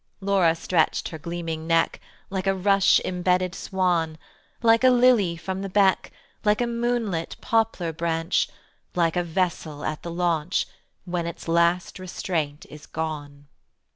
Laura stretched her gleaming neck Like a rush imbedded swan, Like a lily from the beck, Like a moonlit poplar branch, Like a vessel at the launch When its last restraint is gone.